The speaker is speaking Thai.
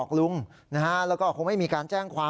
ทีนี้เราไปพูดคุยกับคนขับรถสองแถวสายอสัมชันตะยองนะฮะ